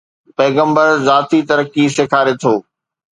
پيغمبر ذاتي ترقي سيکاري ٿو.